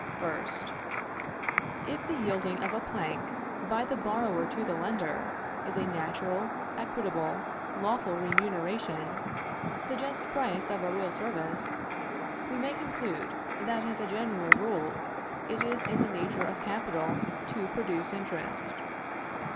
1st. If the yielding of a plank by the borrower to the lender is a natural, equitable, lawful remuneration, the just price of a real service, we may conclude that, as a general rule, it is in the nature of capital to produce interest.